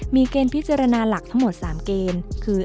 มีเกณฑ์พิจารณาหลักทั้งหมด๓เกณฑ์คือ